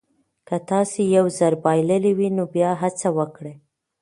که تاسي یو ځل بایللي نو بیا هڅه وکړئ.